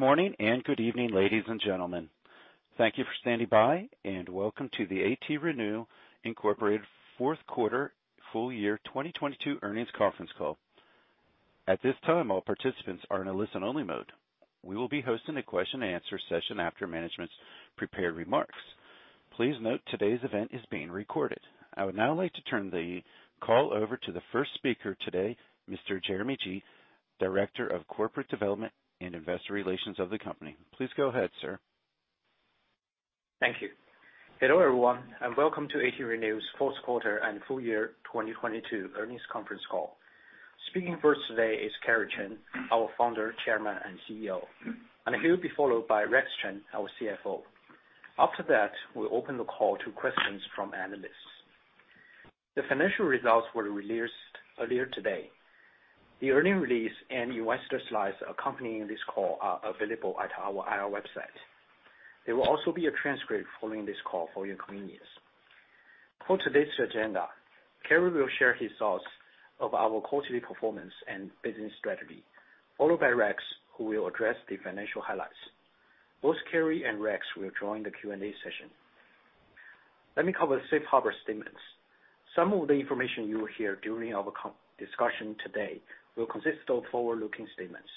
Good morning and good evening, ladies and gentlemen. Thank you for standing by, and welcome to the ATRenew Incorporated 4Q full year 2022 earnings conference call. At this time, all participants are in a listen only mode. We will be hosting a question and answer session after management's prepared remarks. Please note today's event is being recorded. I would now like to turn the call over to the first speaker today, Mr. Jeremy Ji, Director of Corporate Development and Investor Relations of the company. Please go ahead, sir. Thank you. Hello, everyone, and welcome to ATRenew's 4Q and full year 2022 earnings conference call. Speaking first today is Kerry Chen, our Founder, Chairman, and CEO. He'll be followed by Rex Chen, our CFO. After that, we'll open the call to questions from analysts. The financial results were released earlier today. The earning release and investor slides accompanying this call are available at our IR website. There will also be a transcript following this call for your convenience. For today's agenda, Kerry will share his thoughts of our quarterly performance and business strategy, followed by Rex, who will address the financial highlights. Both Kerry and Rex will join the Q&A session. Let me cover safe harbor statements. Some of the information you will hear during our discussion today will consist of forward-looking statements.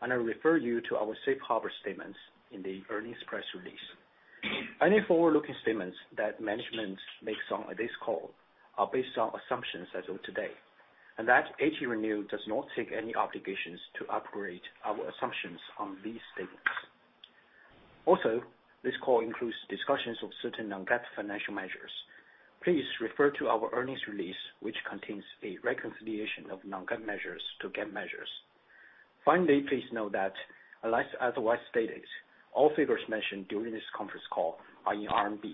I refer you to our safe harbor statements in the earnings press release. Any forward-looking statements that management makes on this call are based on assumptions as of today, and that ATRenew does not take any obligations to upgrade our assumptions on these statements. This call includes discussions of certain non-GAAP financial measures. Please refer to our earnings release, which contains a reconciliation of non-GAAP measures to GAAP measures. Please note that unless otherwise stated, all figures mentioned during this conference call are in RMB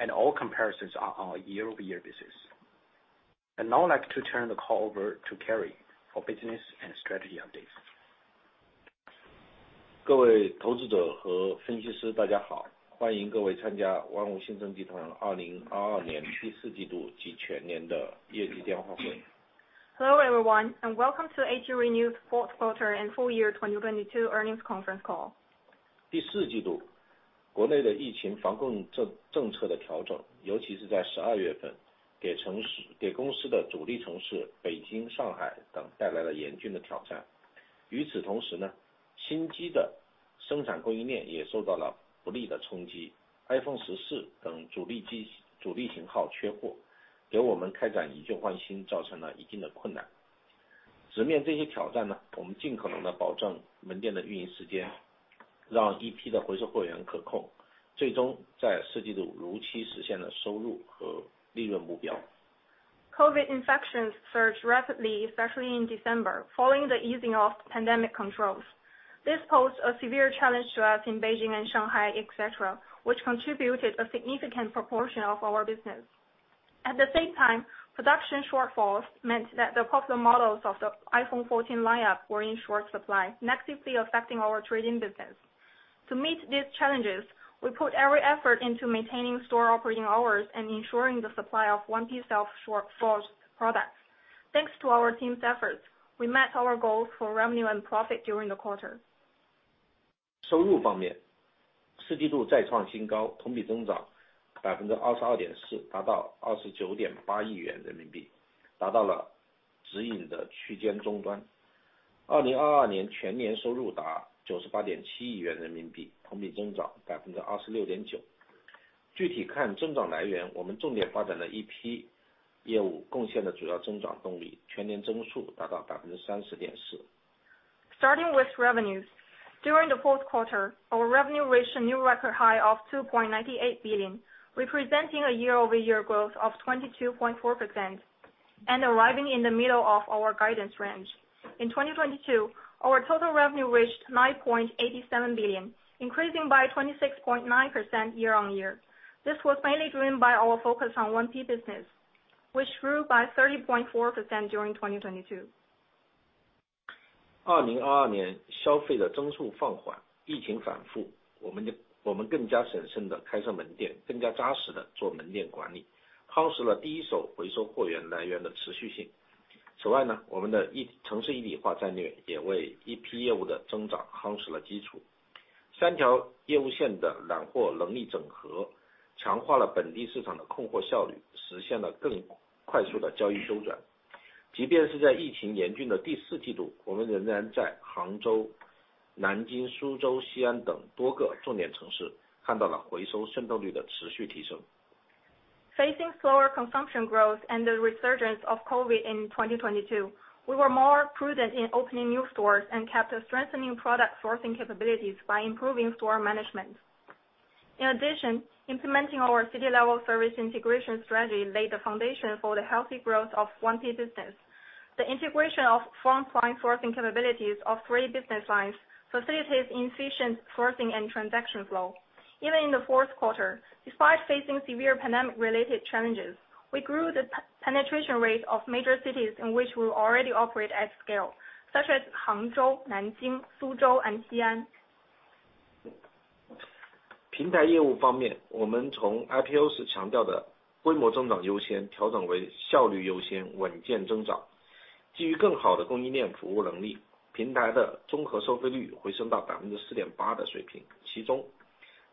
and all comparisons are on a year-over-year basis. I'd now like to turn the call over to Kerry for business and strategy updates. Hello, everyone, and welcome to ATRenew's 4Q and full year 2022 earnings conference call. COVID infections surged rapidly, especially in December, following the easing of pandemic controls. This posed a severe challenge to us in Beijing and Shanghai, et cetera, which contributed a significant proportion of our business. At the same time, production shortfalls meant that the popular models of the iPhone 14 lineup were in short supply, negatively affecting our trading business. To meet these challenges, we put every effort into maintaining store operating hours and ensuring the supply of 1P self-sourced products. Thanks to our team's efforts, we met our goals for revenue and profit during the quarter. Starting with revenues. During the 4Q, our revenue reached a new record high of 2.98 billion, representing a year-over-year growth of 22.4%, and arriving in the middle of our guidance range. In 2022, our total revenue reached 9.87 billion, increasing by 26.9% year on year. This was mainly driven by our focus on 1P business, which grew by 30.4% during 2022. Facing slower consumption growth and the resurgence of COVID-19 in 2022, we were more prudent in opening new stores and kept strengthening product sourcing capabilities by improving store management. In addition, implementing our city-level service integration strategy laid the foundation for the healthy growth of 1P business. The integration of frontline sourcing capabilities of three business lines facilitates efficient sourcing and transaction flow. Even in the 4Q, despite facing severe pandemic-related challenges, we grew the penetration rate of major cities in which we already operate at scale, such as Hangzhou, Nanjing, Suzhou, and Xian. 平台业务方 面， 我们从 IPO 时强调的规模增长优先调整为效率优 先， 稳健增长。基于更好的供应链服务能 力， 平台的综合收费率回升到百分之四点八的水 平， 其中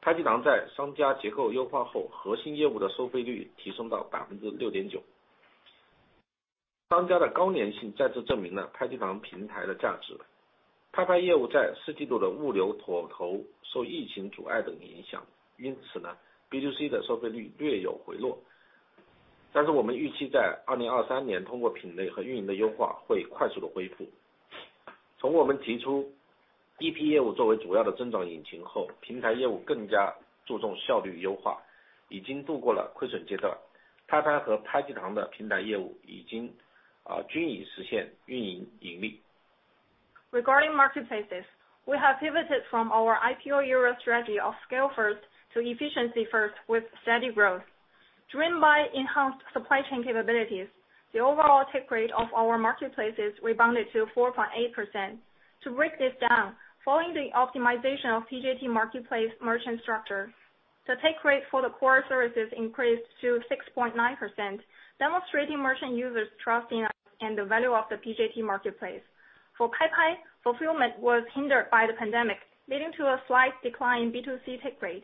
拍即堂在商家结构优化 后， 核心业务的收费率提升到百分之六点九。商家的高粘性再次证明了拍即堂平台的价值。拍拍业务在四季度的物流妥投受疫情阻碍等影 响， 因此呢 B2C 的收费率略有回落。但是我们预期在2023年通过品类和运营的优化会快速的恢复。从我们提出 1P 业务作为主要的增长引擎 后， 平台业务更加注重效率优 化， 已经度过了亏损阶段。拍拍和拍即堂的平台业务已 经， 呃， 均已实现运营盈利。Regarding marketplaces, we have pivoted from our IPO year strategy of scale first to efficiency first with steady growth. Driven by enhanced supply chain capabilities, the overall take rate of our marketplaces rebounded to 4.8%. To break this down, following the optimization of PJT Marketplace merchant structure, the take rate for the core services increased to 6.9%, demonstrating merchant users trusting us and the value of the PJT Marketplace. For Paipai, fulfillment was hindered by the pandemic, leading to a slight decline in B2C take rate.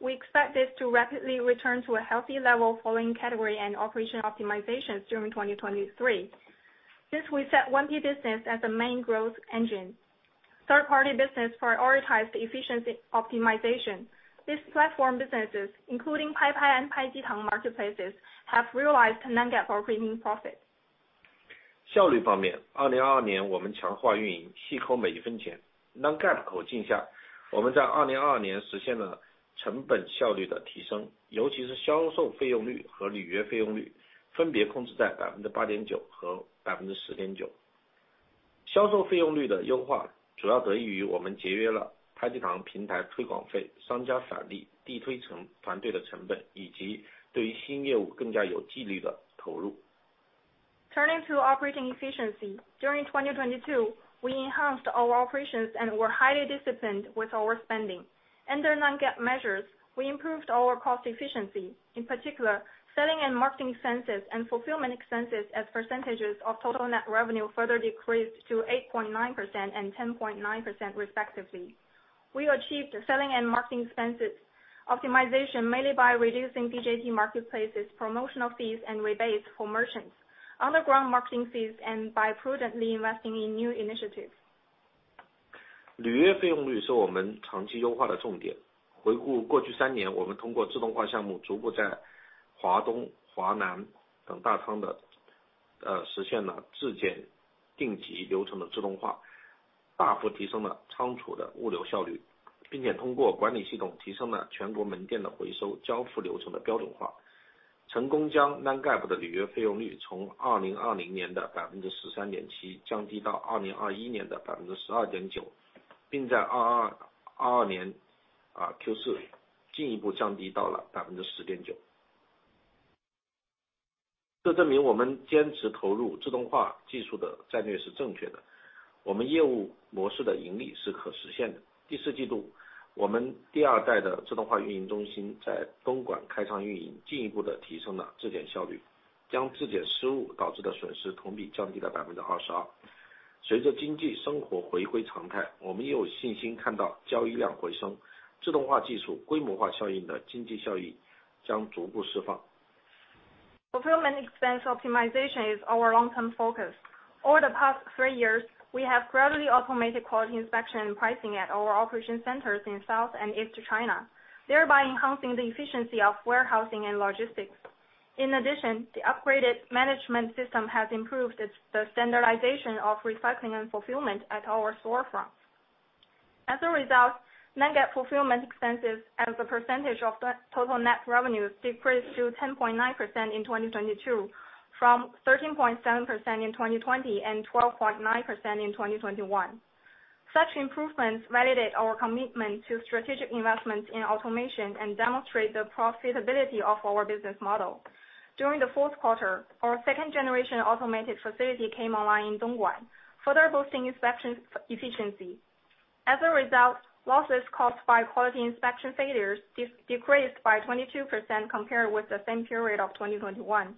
We expect this to rapidly return to a healthy level following category and operation optimizations during 2023. Since we set 1P business as the main growth engine, third party business prioritized efficiency optimization. These platform businesses, including Paipai and Paijitang marketplaces, have realized non-GAAP operating profit. 效率方 面， 2022年我们强化运 营， 细抠每一分钱。Non-GAAP 口径 下， 我们在2022年实现了成本效率的提 升， 尤其是销售费用率和履约费用率分别控制在 8.9% 和 10.9%。销售费用率的优化主要得益于我们节约了拍机堂平台推广费、商家返利、地推团队的成 本， 以及对于新业务更加有纪律的投入。Turning to operating efficiency. During 2022, we enhanced our operations and were highly disciplined with our spending. Under non-GAAP measures, we improved our cost efficiency. In particular, selling and marketing expenses and fulfillment expenses as percentages of total net revenue further decreased to 8.9% and 10.9% respectively. We achieved selling and marketing expenses optimization mainly by reducing PJT Marketplace's promotional fees and rebates for merchants, underground marketing fees and by prudently investing in new initiatives. 履约费用率是我们长期优化的重点。回顾过去三 年， 我们通过自动化项目逐步在华东、华南等大仓 的， 实现了质检、订级流程的自动 化， 大幅提升了仓储的物流效 率， 并且通过管理系统提升了全国门店的回收交付流程的标准化，成功将 non-GAAP 的履约费用率从2020年的 13.7% 降低到2021年的 12.9%， 并在2022年 Q4 进一步降低到了 10.9%。这证明我们坚持投入自动化技术的战略是正确 的， 我们业务模式的盈利是可实现的。第四季度，我们第二代的自动化运营中心在东莞开仓运 营， 进一步地提升了质检效 率， 将质检失误导致的损失同比降低了 22%。随着经济生活回归常 态， 我们又有信心看到交易量回 升， 自动化技术规模化效应的经济效益将逐步释放。Fulfillment expense optimization is our long-term focus. Over the past three years, we have gradually automated quality inspection and pricing at our operation centers in South and East China, thereby enhancing the efficiency of warehousing and logistics. In addition, the upgraded management system has improved the standardization of recycling and fulfillment at our storefronts. As a result, non-GAAP fulfillment expenses as a percentage of the total net revenues decreased to 10.9% in 2022 from 13.7% in 2020 and 12.9% in 2021. Such improvements validate our commitment to strategic investments in automation and demonstrate the profitability of our business model. During the 4Q, our second-generation automated facility came online in Dongguan, further boosting inspection efficiency. As a result, losses caused by quality inspection failures decreased by 22% compared with the same period of 2021.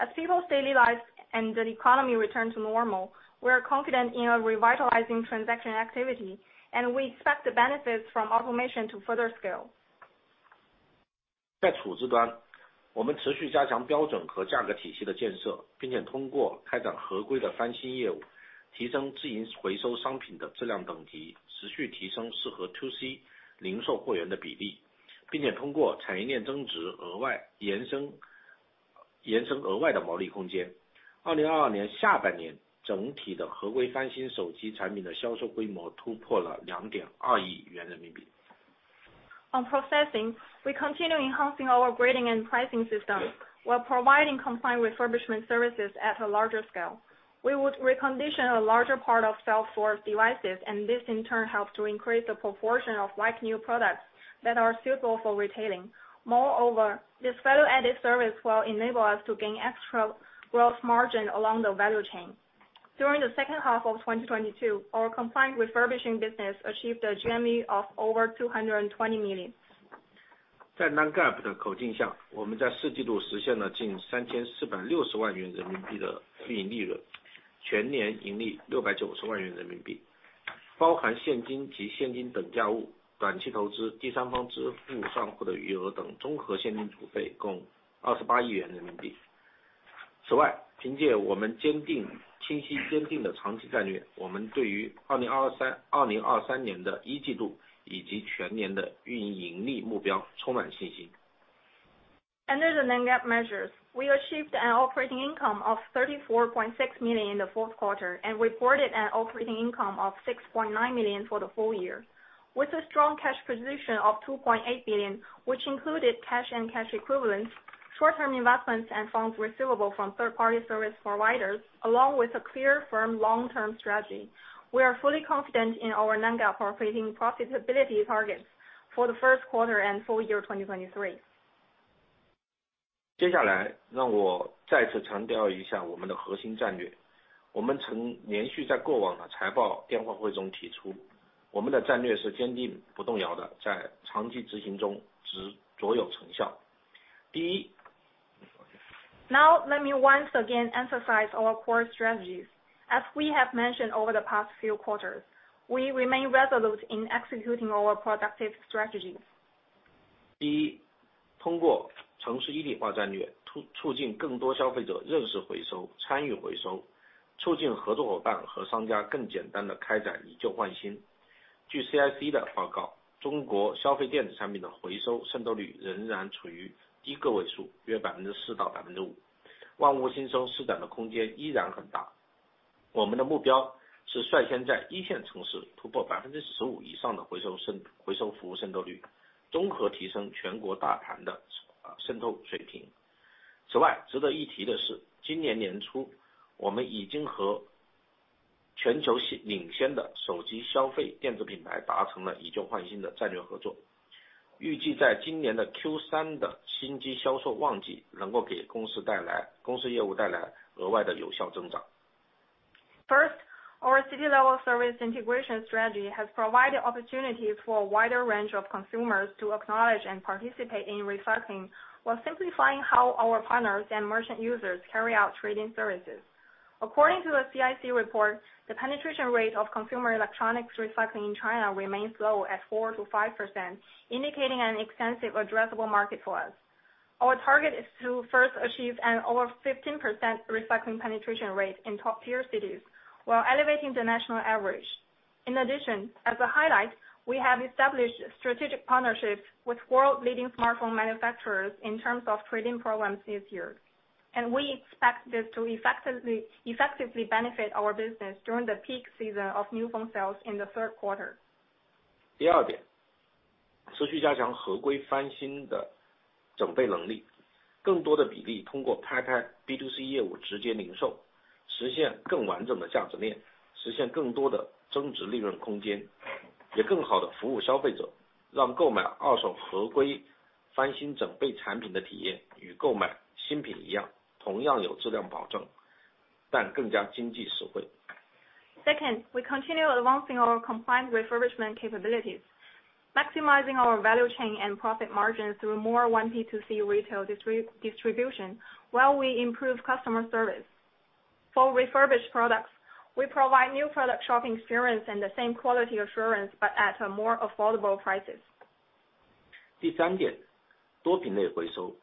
As people's daily lives and the economy return to normal, we are confident in a revitalizing transaction activity, and we expect the benefits from automation to further scale. 在处置 端， 我们持续加强标准和价格体系的建 设， 并且通过开展合规的翻新业 务， 提升自营回收商品的质量等 级， 持续提升适合 TOC 零售货源的比 例， 并且通过产业链增值额外延伸，延伸额外的毛利空 间. 2022年下半 年， 整体的合规翻新手机产品的销售规模突破了 RMB 220 million. On processing, we continue enhancing our grading and pricing system while providing compliant refurbishment services at a larger scale. We would recondition a larger part of sell forward devices and this in turn help to increase the proportion of like-new products that are suitable for retailing. Moreover, this value-added service will enable us to gain extra gross margin along the value chain. During the second half of 2022, our compliant refurbishing business achieved a GMV of over 220 million. 在 Non-GAAP 的口径 下， 我们在四季度实现了近三千四百六十万元人民币的运营利 润， 全年盈利六百九十万元人民 币， 包含现金及现金等价物、短期投资、第三方支付上获得余额等综合现金储备共二十八亿元人民币。此 外， 凭借我们坚定、清晰坚定的长期战 略， 我们对于二零二 三， 二零二三年的一季度以及全年的运营盈利目标充满信心。Under the Non-GAAP measures, we achieved an operating income of 34.6 million in the 4Q and reported an operating income of 6.9 million for the whole year, with a strong cash position of 2.8 billion, which included cash and cash equivalents, short-term investments and funds receivable from third-party service providers. Along with a clear firm long-term strategy, we are fully confident in our Non-GAAP operating profitability targets for the1Q and full year 2023. 接下来让我再次强调一下我们的核心战略。我们曾连续在过往的财报电话会中提出，我们的战略是坚定不动摇地在长期执行中逐渐有成效。第一。Now let me once again emphasize our core strategies. We have mentioned over the past few quarters, we remain resolute in executing our productive strategies. 第 一， 通过城市一体化战 略， 促进更多消费者认识回 收， 参与回 收， 促进合作伙伴和商家更简单地开展以旧换新。据 CIC 的报 告， 中国消费电子产品的回收渗透率仍然处于低个位 数， 约 4%-5%。万物回收施展的空间依然很大。我们的目标是率先在一线城市突破 15% 以上的回收渗 透， 回收服务渗透 率， 综合提升全国大盘的渗透水平。值得一提的 是， 今年年初我们已经和全球领先的手机消费电子品牌达成了以旧换新的战略合 作， 预计在今年的 Q3 的新机销售旺季能够给公司业务带来额外的有效增长。First, our city-level service integration strategy has provided opportunities for a wider range of consumers to acknowledge and participate in recycling, while simplifying how our partners and merchant users carry out trading services. According to a CIC report, the penetration rate of consumer electronics recycling in China remains low at 4%-5%, indicating an extensive addressable market for us. Our target is to first achieve an over 15% recycling penetration rate in top-tier cities while elevating the national average. As a highlight, we have established strategic partnerships with world leading smartphone manufacturers in terms of trading programs this year, and we expect this to effectively benefit our business during the peak season of new phone sales in the third quarter. 第二 点， 持续加强合规翻新的整备能 力， 更多的比例通过 Paipai B2C 业务直接零 售， 实现更完整的价值 链， 实现更多的增值利润空 间， 也更好地服务消费 者， 让购买二手合规翻新整备产品的体验与购买新品一样，同样有质量保 证， 但更加经济实惠。Second, we continue advancing our compliant refurbishment capabilities, maximizing our value chain and profit margins through more 1P2C retail distribution while we improve customer service. For refurbished products, we provide new product shopping experience and the same quality assurance but at more affordable prices. 第3 点, 多品类回 收.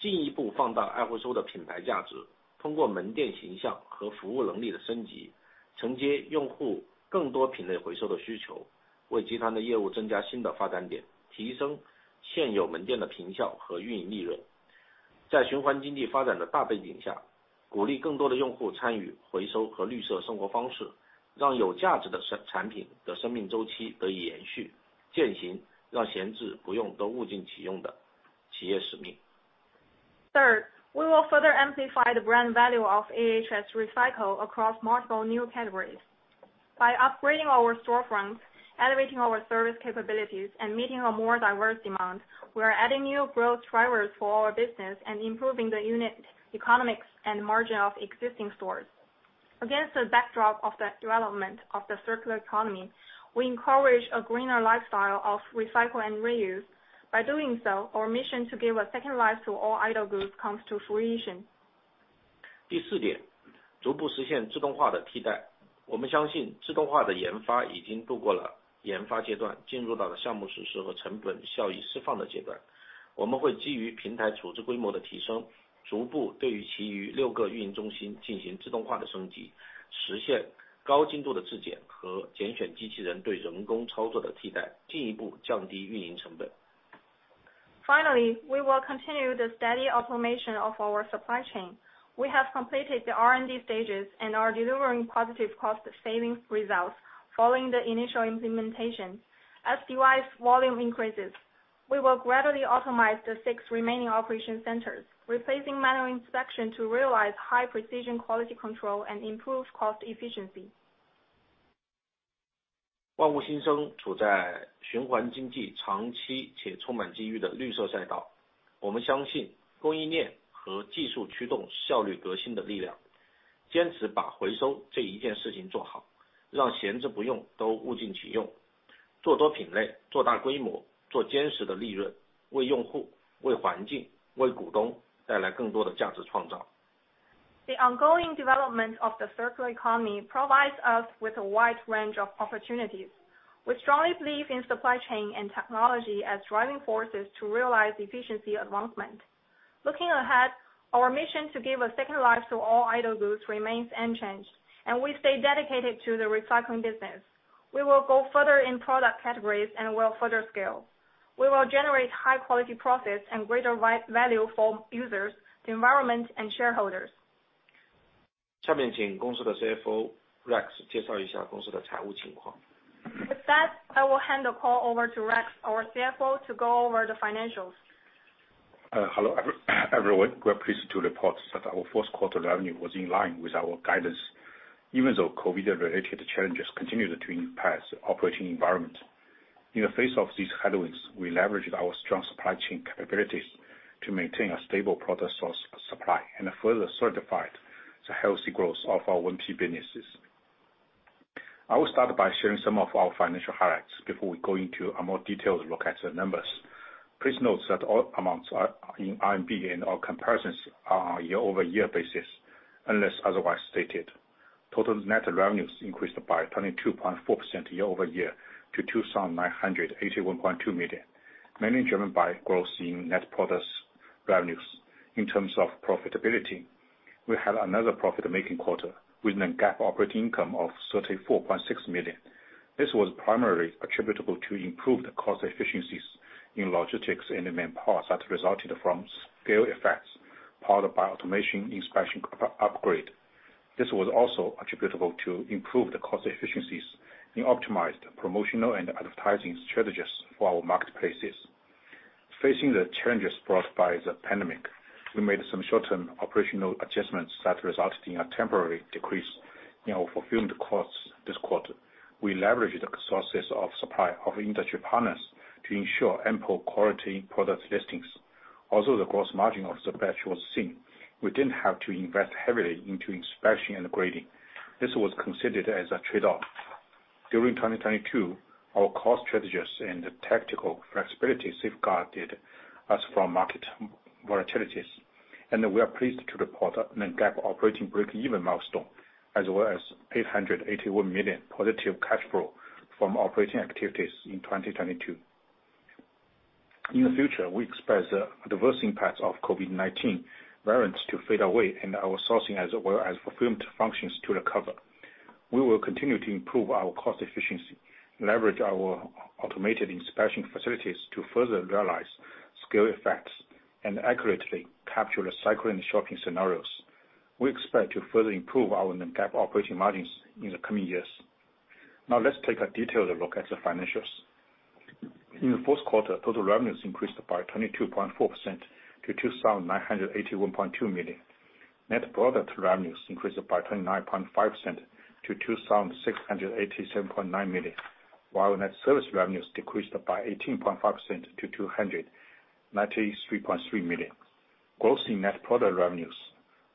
进一步放大爱回收的品牌价 值, 通过门店形象和服务能力的升 级, 承接用户更多品类回收的需 求, 为集团的业务增加新的发展 点, 提升现有门店的效和运营利 润. 在循环经济发展的大背景 下, 鼓励更多的用户参与回收和绿色生活方 式, 让有价值的产品的生命周期得以延 续, 践行让闲置不用都物尽其用的企业使 命. Third, we will further amplify the brand value of AHS Recycle across multiple new categories. By upgrading our storefront, elevating our service capabilities, and meeting a more diverse demand, we are adding new growth drivers for our business and improving the unit economics and margin of existing stores. Against the backdrop of the development of the circular economy, we encourage a greener lifestyle of recycle and reuse. By doing so, our mission to give a second life to all idle goods comes to fruition. 第四 点， 逐步实现自动化的替代。我们相信自动化的研发已经度过了研发阶 段， 进入到了项目实施和成本效益释放的阶段。我们会基于平台处置规模的提 升， 逐步对于其余六个运营中心进行自动化的升 级， 实现高精度的质检和拣选机器人对人工操作的替 代， 进一步降低运营成本。Finally, we will continue the steady automation of our supply chain. We have completed the R&D stages and are delivering positive cost savings results following the initial implementation. As device volume increases, we will gradually automize the six remaining operation centers, replacing manual inspection to realize high precision quality control and improve cost efficiency. 万物新生处在循环经济长期且充满机遇的绿色赛道。我们相信供应链和技术驱动效率革新的力 量， 坚持把回收这一件事情做 好， 让闲置不用都物尽其 用， 做多品 类， 做大规 模， 做坚实的利 润， 为用户、为环境、为股东带来更多的价值创造。The ongoing development of the circular economy provides us with a wide range of opportunities. We strongly believe in supply chain and technology as driving forces to realize efficiency advancement. Looking ahead, our mission to give a second life to all idle goods remains unchanged, and we stay dedicated to the recycling business. We will go further in product categories and we'll further scale. We will generate high quality process and greater for users, the environment and shareholders. 下面请公司的 CFO Rex 介绍一下公司的财务情况。I will hand the call over to Rex, our CFO, to go over the financials. Hello, everyone. We're pleased to report that our1Q revenue was in line with our guidance, even though COVID-19 related challenges continued to impact operating environment. In the face of these headwinds, we leveraged our strong supply chain capabilities to maintain a stable product source supply and further certified the healthy growth of our 1P businesses. I will start by sharing some of our financial highlights before we go into a more detailed look at the numbers. Please note that all amounts are in RMB and our comparisons are on a year-over-year basis unless otherwise stated. Total net revenues increased by 22.4% year-over-year to 2,981.2 million, mainly driven by growth in net products revenues. In terms of profitability, we had another profit-making quarter with a GAAP operating income of 34.6 million. This was primarily attributable to improved cost efficiencies in logistics and in main parts that resulted from scale effects powered by automation inspection up-upgrade. This was also attributable to improved cost efficiencies in optimized promotional and advertising strategies for our marketplaces. Facing the challenges brought by the pandemic, we made some short-term operational adjustments that resulted in a temporary decrease in our fulfilled costs this quarter. We leveraged the sources of supply of industry partners to ensure ample quality product listings. Also, the gross margin of the batch was seen. We didn't have to invest heavily into inspection and grading. This was considered as a trade-off. During 2022, our cost strategies and tactical flexibility safeguarded us from market volatilities, and we are pleased to report a non-GAAP operating break-even milestone, as well as 881 million positive cash flow from operating activities in 2022. In the future, we expect the diverse impacts of COVID-19 variants to fade away and our sourcing as well as fulfillment functions to recover. We will continue to improve our cost efficiency, leverage our automated inspection facilities to further realize scale effects, and accurately capture the cycling shopping scenarios. We expect to further improve our non-GAAP operating margins in the coming years. Now let's take a detailed look at the financials. In the1Q, total revenues increased by 22.4% to 2,981.2 million. Net product revenues increased by 29.5% to 2,687.9 million, while net service revenues decreased by 18.5% to 293.3 million. Growth in net product revenues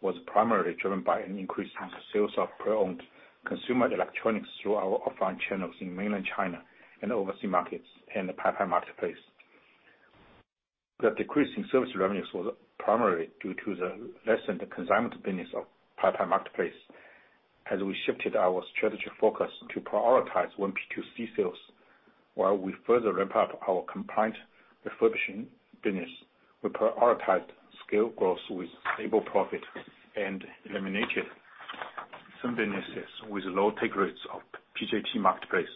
was primarily driven by an increase in sales of pre-owned consumer electronics through our offline channels in mainland China and overseas markets and the Paipai Marketplace. The decrease in service revenues was primarily due to the lessened consignment business of Paipai Marketplace as we shifted our strategy focus to prioritize 1P2C sales, while we further ramp up our compliant refurbishing business. We prioritized scale growth with stable profit and eliminated some businesses with low take rates of PJT Marketplace.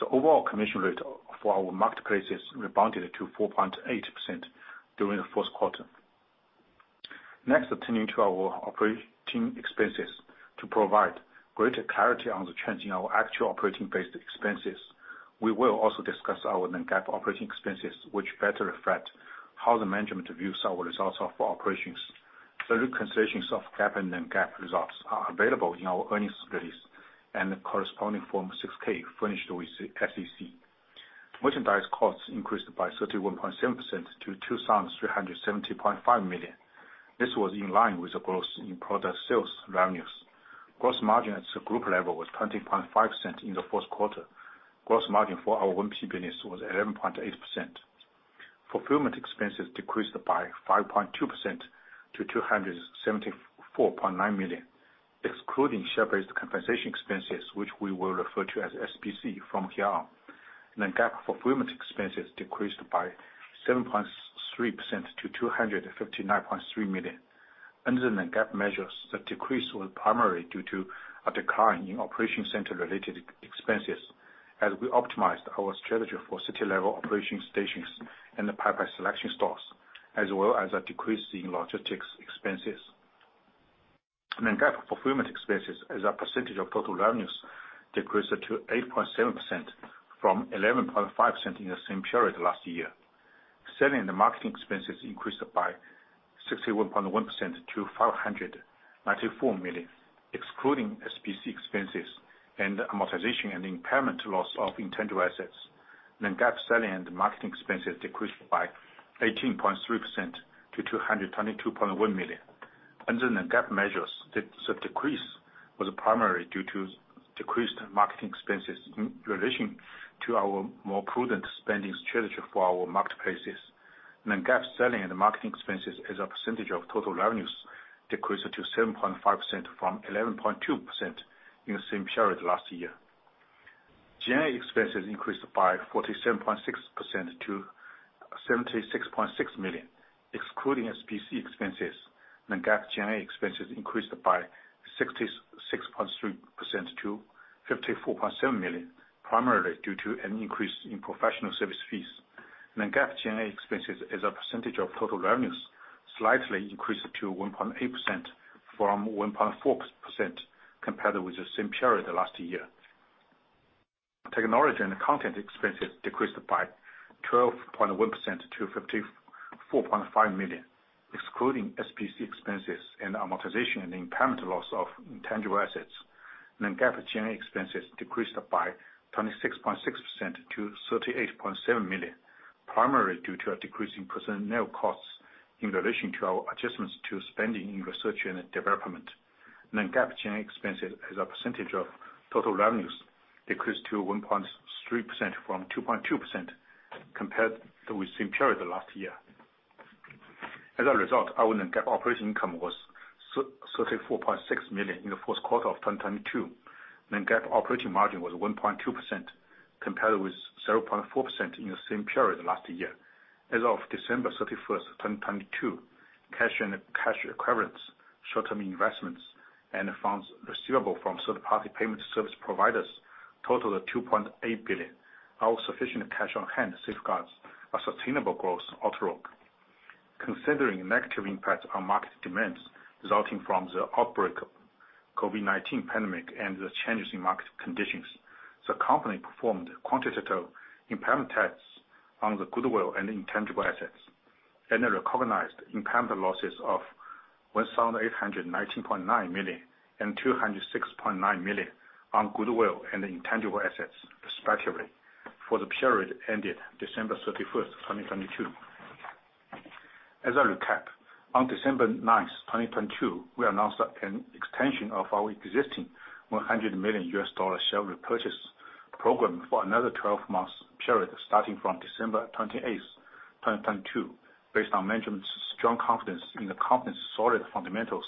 The overall commission rate for our marketplaces rebounded to 4.8% during the1Q. Next, turning to our operating expenses to provide greater clarity on the trends in our actual operating based expenses. We will also discuss our non-GAAP operating expenses, which better reflect how the management views our results of our operations. The reconciliations of GAAP and non-GAAP results are available in our earnings release and the corresponding Form 6-K furnished with SEC. Merchandise costs increased by 31.7% to 2,370.5 million. This was in line with the growth in product sales revenues. Gross margin at the group level was 20.5% in the1Q. Gross margin for our 1P business was 11.8%. Fulfillment expenses decreased by 5.2% to 274.9 million, excluding share-based compensation expenses, which we will refer to as SBC from here on. Non-GAAP fulfillment expenses decreased by 7.3% to 259.3 million. Under the non-GAAP measures, the decrease was primarily due to a decline in operation center-related expenses as we optimized our strategy for city level operation stations and the Paipai Selection stores, as well as a decrease in logistics expenses. Non-GAAP fulfillment expenses as a percentage of total revenues decreased to 8.7% from 11.5% in the same period last year. Selling and marketing expenses increased by 61.1% to 594 million, excluding SBC expenses and amortization and impairment loss of intangible assets. Non-GAAP selling and marketing expenses decreased by 18.3% to 222.1 million. Under non-GAAP measures, the decrease was primarily due to decreased marketing expenses in relation to our more prudent spending strategy for our marketplaces. Non-GAAP selling and marketing expenses as a percentage of total revenues decreased to 7.5% from 11.2% in the same period last year. G&A expenses increased by 47.6% to $76.6 million, excluding SBC expenses. Non-GAAP G&A expenses increased by 66.3% to $54.7 million, primarily due to an increase in professional service fees. Non-GAAP G&A expenses as a percentage of total revenues slightly increased to 1.8% from 1.4% compared with the same period last year. Technology and content expenses decreased by 12.1% to $54.5 million, excluding SBC expenses and amortization and impairment loss of intangible assets. non-GAAP G&A expenses decreased by 26.6% to $38.7 million, primarily due to a decrease in personnel costs in relation to our adjustments to spending in research and development. non-GAAP G&A expenses as a percentage of total revenues decreased to 1.3% from 2.2% compared with the same period last year. As a result, our non-GAAP operating income was $34.6 million in the1Q of 2022. non-GAAP operating margin was 1.2% compared with 0.4% in the same period last year. As of December 31, 2022, cash and cash equivalents, short-term investments, and funds receivable from third-party payment service providers totaled $2.8 billion. Our sufficient cash on hand safeguards a sustainable growth outlook. Considering negative impacts on market demands resulting from the outbreak of COVID-19 pandemic and the changes in market conditions, the company performed quantitative impairment tests on the goodwill and intangible assets and recognized impairment losses of $1,819.9 million and $206.9 million on goodwill and intangible assets, respectively, for the period ended December 31, 2022. I recap, on December 9, 2022, we announced an extension of our existing $100 million share repurchase program for another 12-month period starting from December 28, 2022. Based on management's strong confidence in the company's solid fundamentals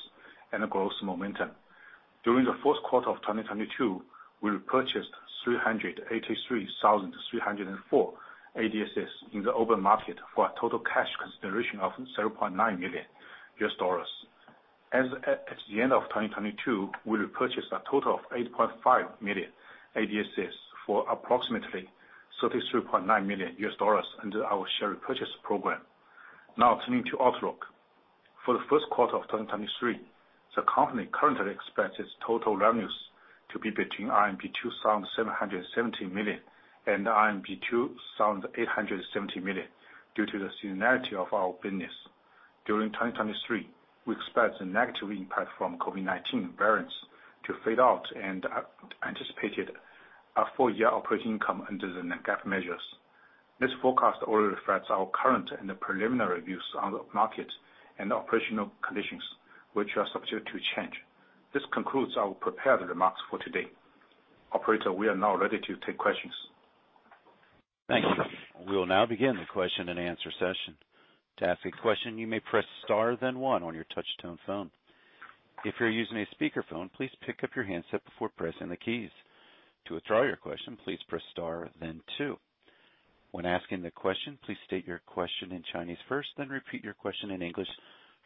and the growth momentum. During the1Q of 2022, we repurchased 383,304 ADSs in the open market for a total cash consideration of $0.9 million. At the end of 2022, we repurchased a total of 8.5 million ADSs for approximately $33.9 million under our share repurchase program. Now turning to outlook. For the1Q of 2023, the company currently expects its total revenues to be between RMB 2,770 million and RMB 2,870 million due to the seasonality of our business. During 2023, we expect the negative impact from COVID-19 variants to fade out and anticipated a full year operating income under the Non-GAAP measures. This forecast only reflects our current and preliminary views on the market and operational conditions, which are subject to change. This concludes our prepared remarks for today. Operator, we are now ready to take questions. Thank you. We will now begin the question and answer session. To ask a question, you may press star then one on your touch-tone phone. If you're using a speakerphone, please pick up your handset before pressing the keys. To withdraw your question, please press star then two. When asking the question, please state your question in Chinese first, then repeat your question in English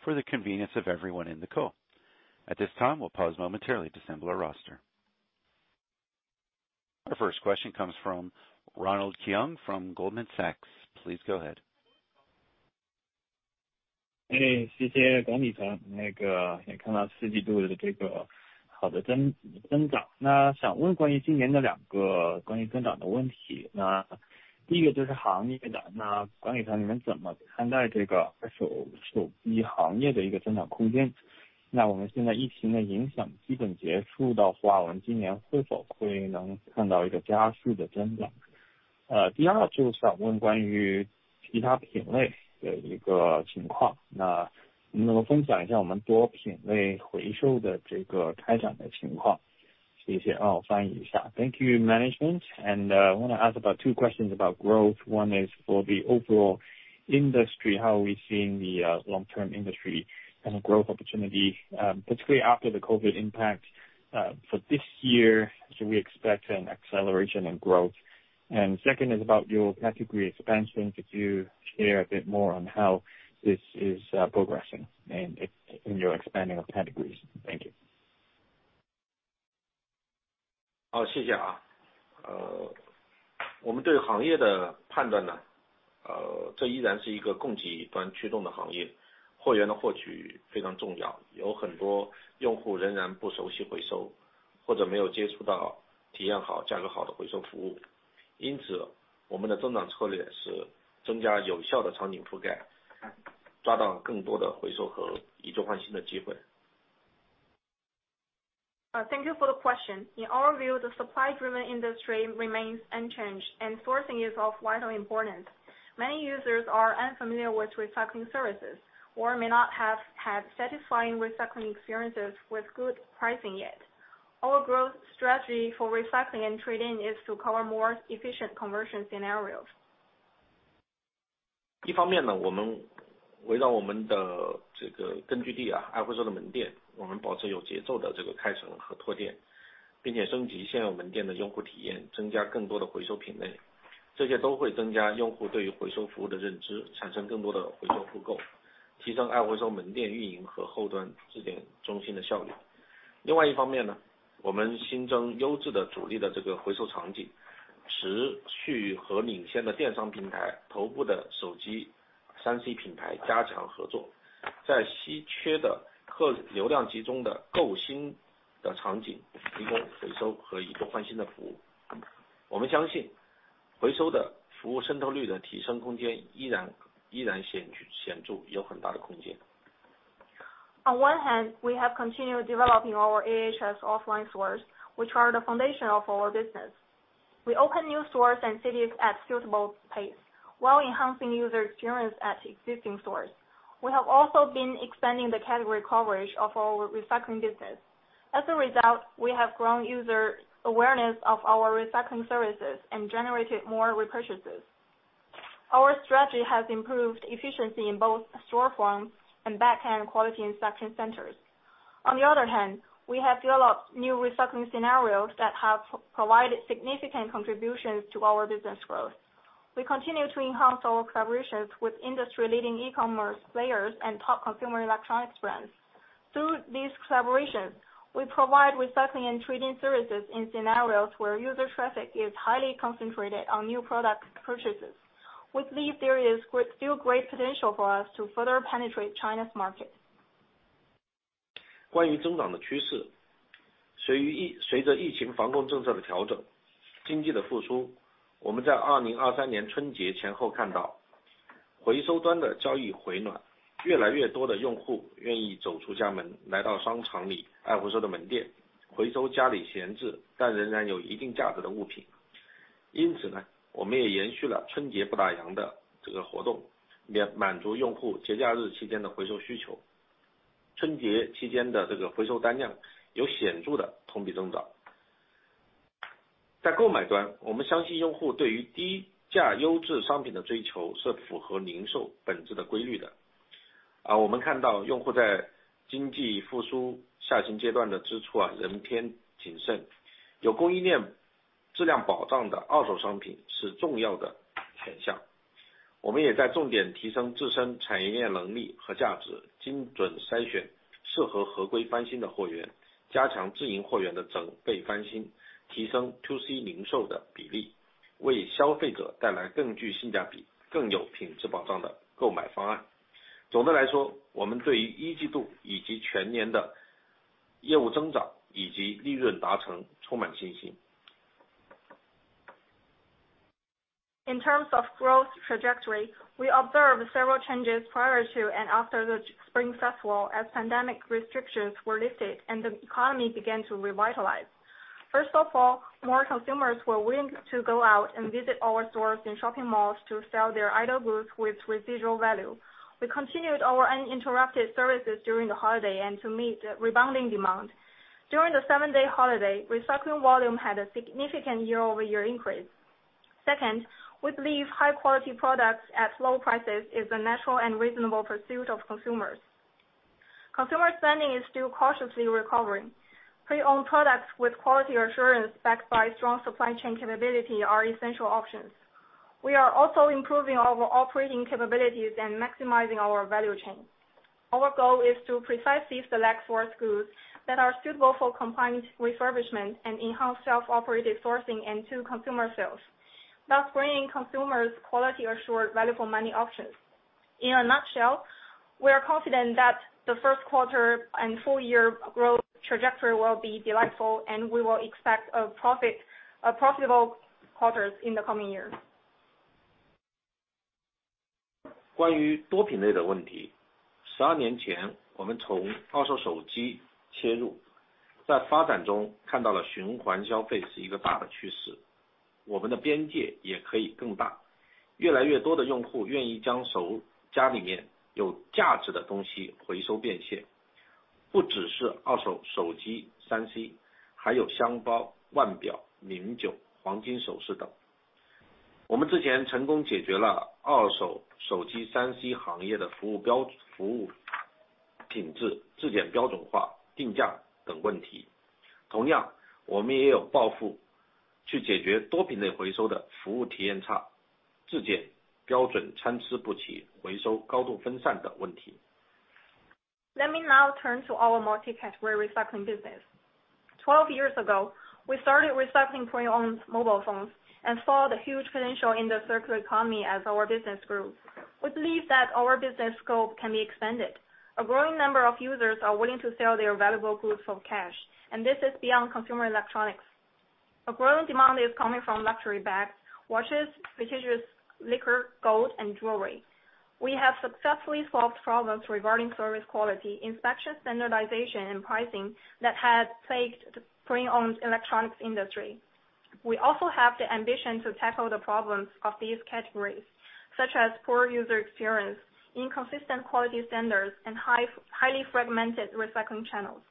for the convenience of everyone in the call. At this time, we'll pause momentarily to assemble our roster. Our first question comes from Ronald Keung from Goldman Sachs. Please go ahead. Hey. Thank you, management. I wanna ask about two questions about growth. One is for the overall industry, how are we seeing the long-term industry and growth opportunity, particularly after the COVID impact, for this year? Should we expect an acceleration in growth? Second is about your category expansion. Could you share a bit more on how this is progressing in your expanding of categories? Thank you. Oh, thank you. 或者没有接触到体验 好， 价格好的回收服务。因 此， 我们的增长策略是增加有效的场景覆 盖， 抓到更多的回收和以旧换新的机会。Thank you for the question. In our view, the supply-driven industry remains unchanged, and sourcing is of vital importance. Many users are unfamiliar with recycling services or may not have had satisfying recycling experiences with good pricing yet. Our growth strategy for recycling and trading is to cover more efficient conversion scenarios. 一方面 呢， 我们围绕我们的这个根据地 啊， 爱回收的门 店， 我们保持有节奏的这个开城和拓 店， 并且升级现有门店的用户体 验， 增加更多的回收品类。这些都会增加用户对于回收服务的认 知， 产生更多的回收复 购， 提升爱回收门店运营和后端质检中心的效率。另外一方面 呢， 我们新增优质的主力的这个回收场 景， 持续和领先的电商平 台， 头部的手机 ，3C 品牌加强合作。在稀缺的客流量集中的购新的场 景， 提供回收和以旧换新的服务。我们相信回收的服务渗透率的提升空间依 然， 依然显 著， 有很大的空间。On one hand, we have continued developing our AHS offline stores, which are the foundation of our business. We open new stores and cities at suitable pace while enhancing user experience at existing stores. We have also been expanding the category coverage of our recycling business. As a result, we have grown user awareness of our recycling services and generated more repurchases. Our strategy has improved efficiency in both store form and backend quality inspection centers. On the other hand, we have developed new recycling scenarios that have provided significant contributions to our business growth. We continue to enhance our collaborations with industry leading e-commerce players and top consumer electronics brands. Through these collaborations, we provide recycling and trading services in scenarios where user traffic is highly concentrated on new product purchases. With these, there is still great potential for us to further penetrate China's market. 关于增长的趋势。随着疫情防控政策的调 整， 经济的复苏，我们在2023年春节前后看到回收端的交易回暖。越来越多的用户愿意走出家 门， 来到商场里爱回收的门 店， 回收家里闲置但仍然有一定价值的物品。因此 呢， 我们也延续了春节不打烊的这个活 动， 满足用户节假日期间的回收需求。春节期间的这个回收单量有显著的同比增长。在购买 端， 我们相信用户对于低价优质商品的追求是符合零售本质的规律的。而我们看到用户在经济复苏下行阶段的支出仍然偏谨慎。有供应链质量保障的二手商品是重要的选项。我们也在重点提升自身产业链能力和价 值， 精准筛选适合合规翻新的货 源， 加强自营货源的整备翻新，提升 TC 零售的比 例， 为消费者带来更具性价比、更有品质保障的购买方案。总的来 说， 我们对于一季度以及全年的业务增长以及利润达成充满信心。In terms of growth trajectory, we observed several changes prior to and after the spring festival as pandemic restrictions were lifted and the economy began to revitalize. First of all, more consumers were willing to go out and visit our stores and shopping malls to sell their idle goods with residual value. We continued our uninterrupted services during the holiday and to meet the rebounding demand. During the seven-day holiday, recycling volume had a significant year-over-year increase. Second, we believe high quality products at low prices is the natural and reasonable pursuit of consumers. Consumer spending is still cautiously recovering. Pre-owned products with quality assurance backed by strong supply chain capability are essential options. We are also improving our operating capabilities and maximizing our value chain. Our goal is to precisely select source goods that are suitable for compliant refurbishment and enhance self-operated sourcing into consumer sales, thus bringing consumers quality assured value for money options. In a nutshell, we are confident that the1Q and full year growth trajectory will be delightful, and we will expect a profit, profitable quarters in the coming years. 关于多品类的问题。十二年 前， 我们从二手手机切 入， 在发展中看到了循环消费是一个大的趋 势， 我们的边界也可以更大。越来越多的用户愿意将 手， 家里面有价值的东西回收变现。不只是二手手机 ，3C， 还有箱包、腕表、名酒、黄金首饰等。我们之前成功解决了二手手机 3C 行业的服务 标， 服务品质、质检标准化、定价等问题。同 样， 我们也有抱负去解决多品类回收的服务体验差、质检标准参差不齐、回收高度分散等问题。Let me now turn to our multi-category recycling business. 12 years ago, we started recycling pre-owned mobile phones and saw the huge potential in the circular economy as our business grew. We believe that our business scope can be expanded. A growing number of users are willing to sell their valuable goods for cash, and this is beyond consumer electronics. A growing demand is coming from luxury bags, watches, prestigious liquor, gold and jewelry. We have successfully solved problems regarding service quality, inspection, standardization, and pricing that had plagued the pre-owned electronics industry. We also have the ambition to tackle the problems of these categories, such as poor user experience, inconsistent quality standards, and highly fragmented recycling channels.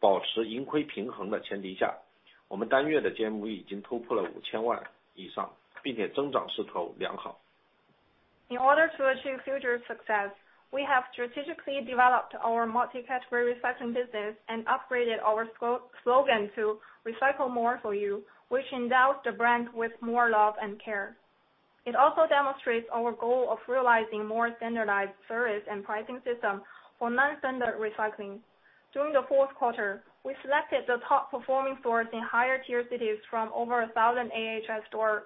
In order to achieve future success, we have strategically developed our multi-category recycling business and upgraded our slogan to Recycle More For You, which endows the brand with more love and care. It also demonstrates our goal of realizing more standardized service and pricing system for non-standard recycling. During the 4Q, we selected the top performing stores in higher tier cities from over 1,000 AHS store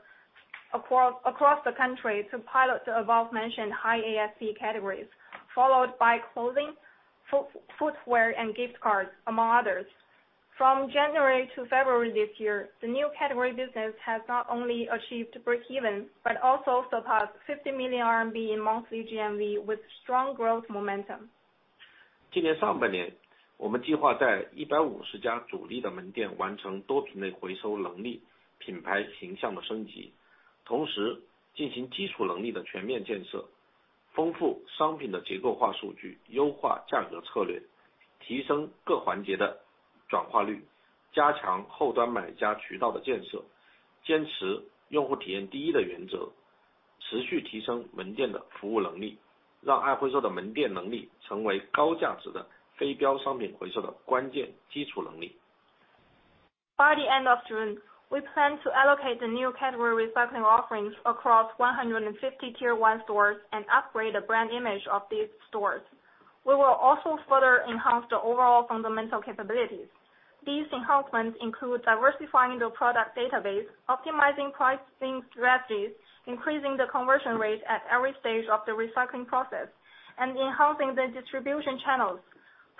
across the country to pilot the above mentioned high ASC categories, followed by clothing, footwear, and gift cards, among others. From January to February this year, the new category business has not only achieved breakeven, but also surpassed 50 million RMB in monthly GMV with strong growth momentum. By the end of June, we plan to allocate the new category recycling offerings across 150 tier-1 stores and upgrade the brand image of these stores. We will also further enhance the overall fundamental capabilities. These enhancements include diversifying the product database, optimizing pricing strategies, increasing the conversion rate at every stage of the recycling process, and enhancing the distribution channels.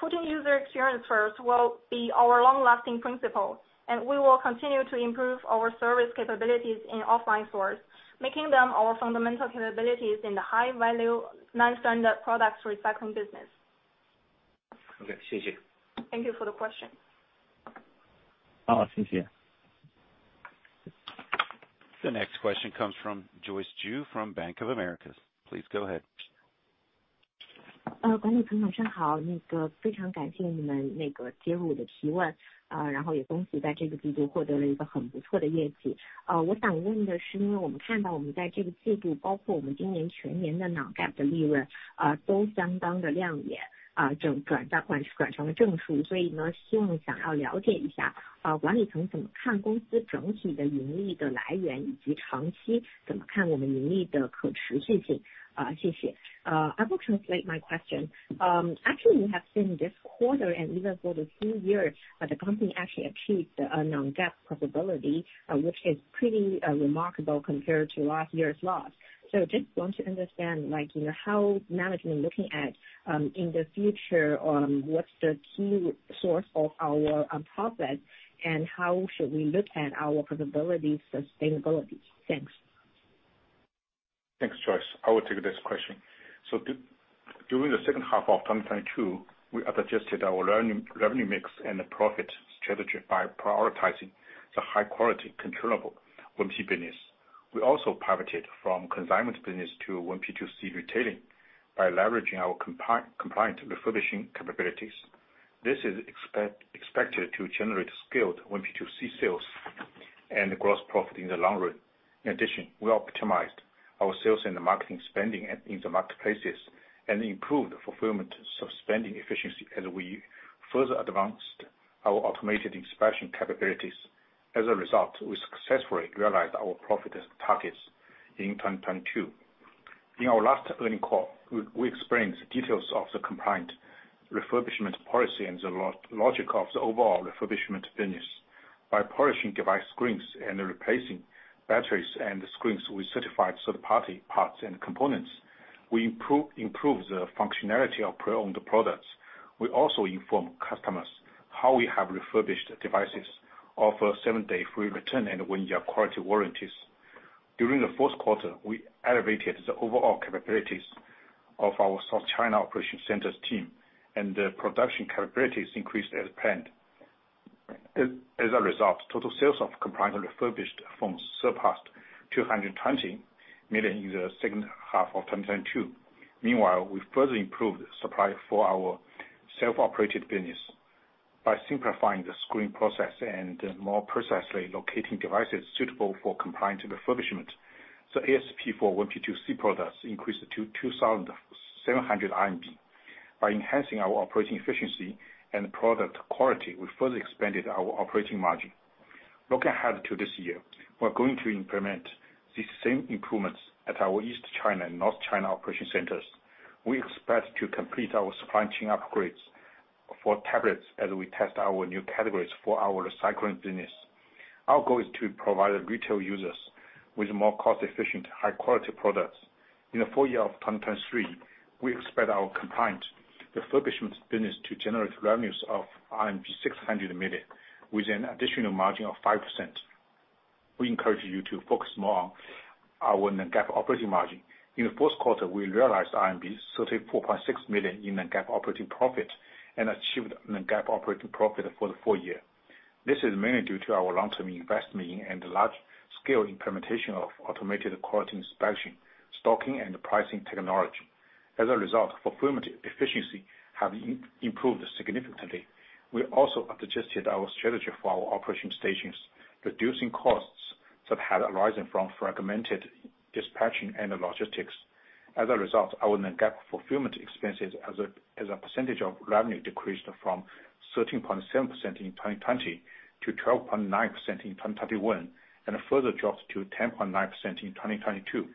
Putting user experience first will be our long-lasting principle, and we will continue to improve our service capabilities in offline stores, making them our fundamental capabilities in the high value non-standard products recycling business. Okay. Thank you for the question. Oh, thank you. The next question comes from Joyce Zhu from Bank of America. Please go ahead. I will translate my question. Actually, we have seen this quarter and even for the full year, that the company actually achieved a non-GAAP profitability, which is pretty remarkable compared to last year's loss. Just want to understand, like, you know, how management looking at in the future, what's the key source of our profit and how should we look at our profitability sustainability? Thanks. Thanks, Joyce. I will take this question. During the second half of 2022, we adjusted our revenue mix and the profit strategy by prioritizing the high quality controllable 1P business. We also pivoted from consignment business to 1P2C retailing by leveraging our compliant refurbishing capabilities. This is expected to generate scaled 1P2C sales and gross profit in the long run. In addition, we optimized our sales and marketing spending in the marketplaces and improved the fulfillment of spending efficiency as we further advanced our automated inspection capabilities. As a result, we successfully realized our profit targets in 2022. In our last earning call, we explained the details of the compliant refurbishment policy and the logic of the overall refurbishment business. By polishing device screens and replacing batteries and screens with certified third-party parts and components, we improve the functionality of pre-owned products. We also inform customers how we have refurbished devices, offer 7-day free return and 1-year quality warranties. During the 4Q, we elevated the overall capabilities of our South China operation centers team and the production capabilities increased as planned. As a result, total sales of compliant refurbished phones surpassed 220 million in the second half of 2022. Meanwhile, we further improved supply for our self-operated business by simplifying the screening process and more precisely locating devices suitable for compliant refurbishment. ASP for 1PG C products increased to 2,700 RMB. By enhancing our operating efficiency and product quality, we further expanded our operating margin. Looking ahead to this year, we're going to implement these same improvements at our East China and North China operating centers. We expect to complete our supply chain upgrades for tablets as we test our new categories for our recycling business. Our goal is to provide retail users with more cost-efficient, high-quality products. In the full year of 2023, we expect our compliant refurbishments business to generate revenues of RMB 600 million, with an additional margin of 5%. We encourage you to focus more on our non-GAAP operating margin. In the1Q, we realized RMB 34.6 million in non-GAAP operating profit and achieved non-GAAP operating profit for the full year. This is mainly due to our long-term investment and large-scale implementation of automated quality inspection, stocking, and pricing technology. As a result, fulfillment efficiency have improved significantly. We also adjusted our strategy for our operating stations, reducing costs that had arisen from fragmented dispatching and logistics. As a result, our non-GAAP fulfillment expenses as a percentage of revenue decreased from 13.7% in 2020 to 12.9% in 2021, further dropped to 10.9% in 2022.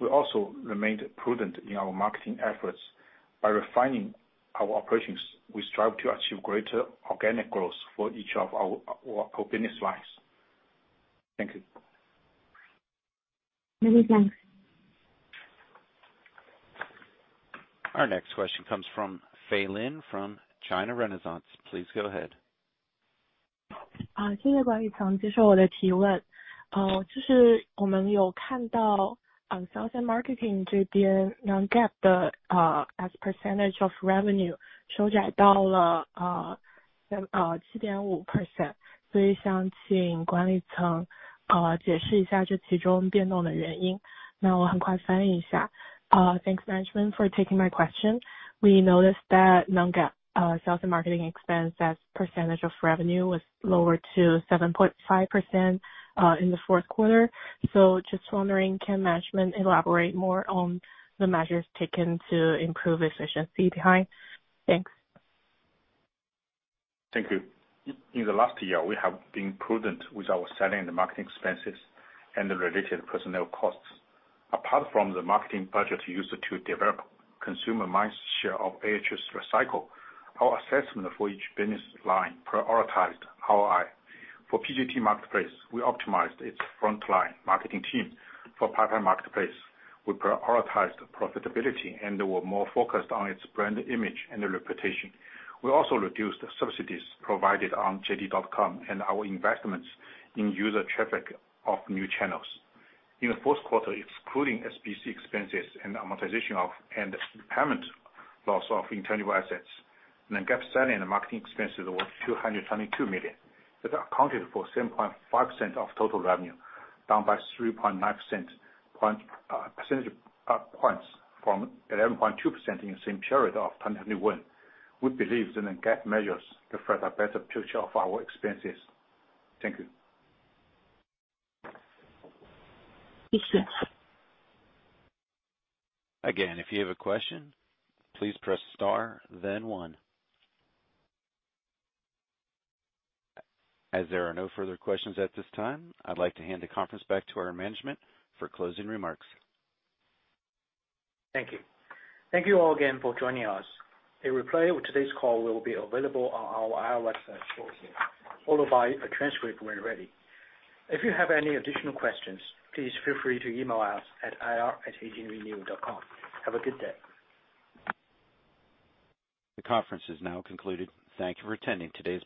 We also remained prudent in our marketing efforts. By refining our operations, we strive to achieve greater organic growth for each of our business lines. Thank you. Many thanks. Our next question comes from Fay Lin from China Renaissance. Please go ahead. Thanks management for taking my question. We noticed that non-GAAP sales and marketing expense as percentage of revenue was lower to 7.5%, in the 4Q. Just wondering, can management elaborate more on the measures taken to improve efficiency behind? Thanks. Thank you. In the last year, we have been prudent with our selling and marketing expenses and the related personnel costs. Apart from the marketing budget used to develop consumer mindshare of AHS Recycle, our assessment for each business line prioritized ROI. For PJT Marketplace, we optimized its frontline marketing team. For Paipai Marketplace, we prioritized profitability. They were more focused on its brand image and reputation. We also reduced subsidies provided on JD dot com and our investments in user traffic of new channels. In the 4Q, excluding SBC expenses and amortization of and impairment loss of intangible assets, non-GAAP selling and marketing expenses were 222 million. That accounted for 7.5% of total revenue, down by 3.9 percentage points from 11.2% in the same period of 2021. We believe the non-GAAP measures reflect a better picture of our expenses. Thank you. Thanks. Again, if you have a question, please press star then one. As there are no further questions at this time, I'd like to hand the conference back to our management for closing remarks. Thank you. Thank you all again for joining us. A replay of today's call will be available on our IR website shortly, followed by a transcript when ready. If you have any additional questions, please feel free to email us at ir@atrenew.com. Have a good day. The conference has now concluded. Thank you for attending today's call.